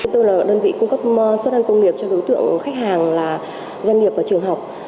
tôi là đơn vị cung cấp suất ăn công nghiệp cho đối tượng khách hàng là doanh nghiệp và trường học